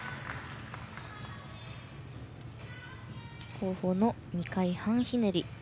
後方の２回半ひねり。